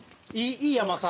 いい甘さ。